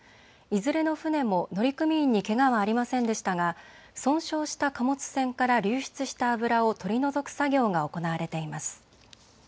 いずれの船も乗組員にけがはありませんでしたが、損傷した貨物船から流出した油を取り除く作業が行われています。